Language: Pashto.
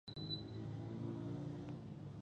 چې سړی بدترین حالت منلی شي.